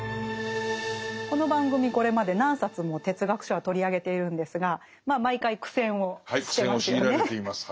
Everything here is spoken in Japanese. この番組これまで何冊も哲学書は取り上げているんですがまあ毎回苦戦をしてますよね。